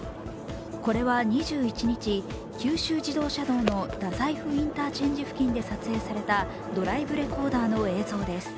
これは２１日、九州自動車道の太宰府インターチェンジで撮影されたドライブレコーダーの映像です。